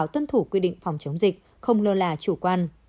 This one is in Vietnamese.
thủ quyết định phòng chống dịch không luôn là chủ quan